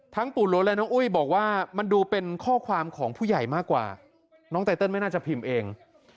ปู่หลวงและน้องอุ้ยบอกว่ามันดูเป็นข้อความของผู้ใหญ่มากกว่าน้องไตเติลไม่น่าจะพิมพ์เอง